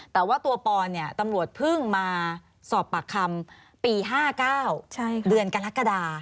แต่ว่าตัวปอนเนี่ยตำรวจเพิ่งมาสอบปากคำปี๕๙เดือนกรกฎา